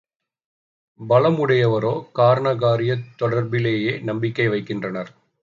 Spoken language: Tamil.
பல முடையவரோ காரணகாரியத் தொடர்பிலேயே நம்பிக்கை வைக்கின்றனர்.